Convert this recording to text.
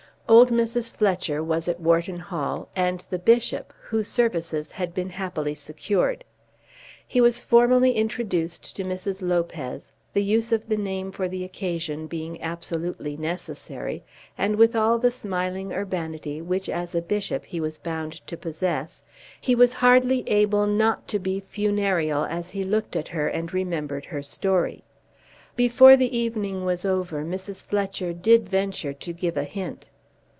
Old Mrs. Fletcher was at Wharton Hall, and the bishop, whose services had been happily secured. He was formally introduced to Mrs. Lopez, the use of the name for the occasion being absolutely necessary, and with all the smiling urbanity which as a bishop he was bound to possess, he was hardly able not to be funereal as he looked at her and remembered her story. Before the evening was over Mrs. Fletcher did venture to give a hint.